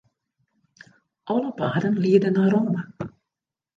Alle paden liede nei Rome.